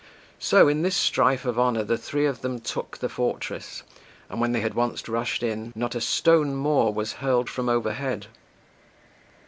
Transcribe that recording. So in this strife of honour, the three of them took the fortress, and when they had once rushed in, not a stone more was hurled from overhead.